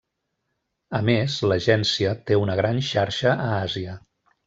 A més, l'agència té una gran xarxa a Àsia.